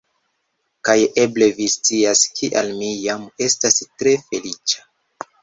Kaj eble vi scias kial mi jam estas tre feliĉa